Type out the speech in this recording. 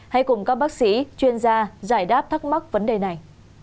hãy cùng các bác sĩ chuyên gia giải đáp thắc mắc vấn đề này